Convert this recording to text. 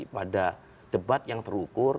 pada debat yang terukur